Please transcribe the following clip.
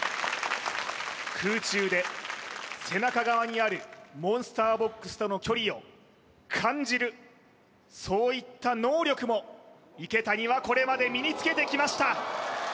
空中で背中側にあるモンスターボックスとの距離を感じるそういった能力も池谷はこれまで身につけてきました